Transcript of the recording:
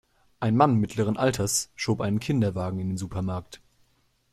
Ein Mann mittleren Alters schob einen Kinderwagen in den Supermarkt.